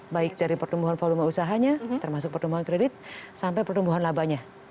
baik dari pertumbuhan volume usahanya termasuk pertumbuhan kredit sampai pertumbuhan labanya